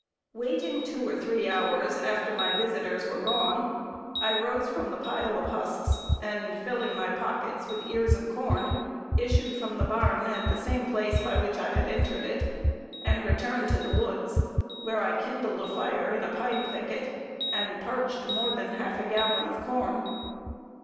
Waiting two or three hours after my visiters were gone, I rose from the pile of husks, and filling my pockets with ears of corn, issued from the barn at the same place by which I had entered it, and returned to the woods, where I kindled a fire in a pine thicket, and parched more than half a gallon of corn.